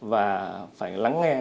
và phải lắng nghe